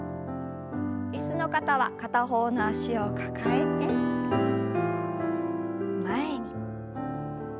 椅子の方は片方の脚を抱えて前に。